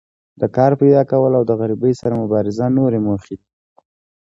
د کار پیداکول او د غریبۍ سره مبارزه نورې موخې دي.